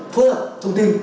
phối hợp thông tin